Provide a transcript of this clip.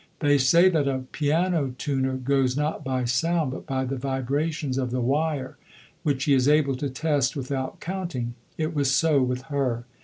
They say that a piano tuner goes not by sound, but by the vibrations of the wire, which he is able to test without counting. It was so with her.